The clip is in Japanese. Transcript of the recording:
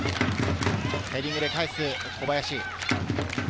ヘディングで返す、小林。